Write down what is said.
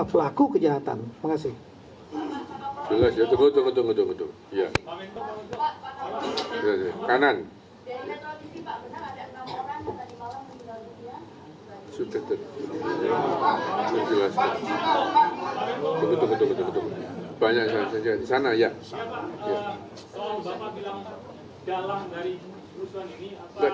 pelaku kejahatan makasih jelas itu betul betul betul betul kanan sudah terjelas banyak banyak